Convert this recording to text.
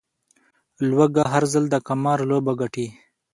لوږه، هر ځل د قمار لوبه ګټي